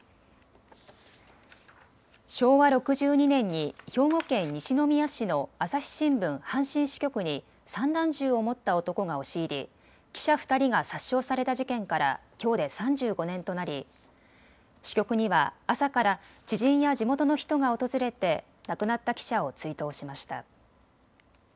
昭和６２年に兵庫県西宮市の朝日新聞阪神支局に散弾銃を持った男が押し入り、記者２人が殺傷された事件からきょうで３５年となり支局には朝から知人や地元の人が訪れて亡くなった記者を追悼しました。